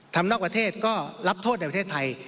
นอกประเทศก็รับโทษในประเทศไทย